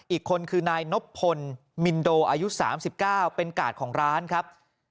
อีกคนคือนายนบพลมินโดอายุ๓๙เป็นกาดของร้านครับ